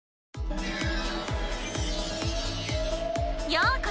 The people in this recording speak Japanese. ようこそ！